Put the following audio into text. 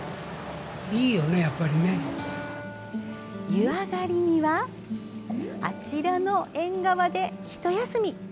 湯上がりにはあちらの縁側でひと休み。